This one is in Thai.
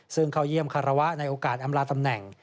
ซึ่งเข้าเยี่ยมคารวะในโอกาสอำลาตำแหน่ง